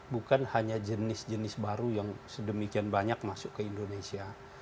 bukan hanya jenis jenis baru yang sedemikian banyak masuk ke indonesia